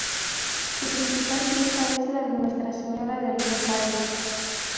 Su principal fiesta es la de Nuestra Señora del Rosario.